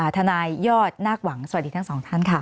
ทนายยอดนาคหวังสวัสดีทั้งสองท่านค่ะ